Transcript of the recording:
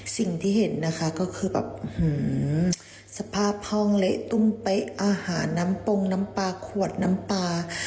สิ่งที่เห็นนะคะก็คือแบบสภาพห้องเละตุ้มเป๊ะอาหารน้ำปงน้ำปลาขวดน้ำปลา